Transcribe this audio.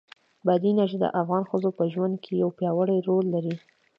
بادي انرژي د افغان ښځو په ژوند کې یو پیاوړی رول لري.